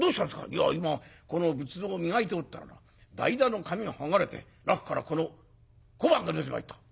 「いや今この仏像を磨いておったらな台座の紙が剥がれて中からこの小判が出てまいった」。